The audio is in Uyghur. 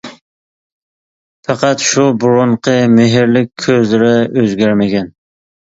پەقەت شۇ بۇرۇنقى مېھىرلىك كۆزلىرى ئۆزگەرمىگەن.